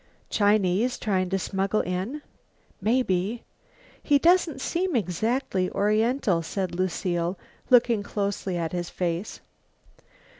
"Chinese, trying to smuggle in?" "Maybe." "He doesn't seem exactly oriental," said Lucile, looking closely at his face.